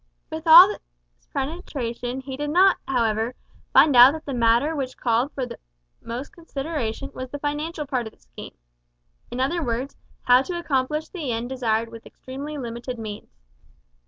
With all his penetration he did not, however, find out that the matter which called most for consideration was the financial part of the scheme in other words, how to accomplish the end desired with extremely limited means.